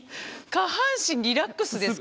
下半身リラックスですか？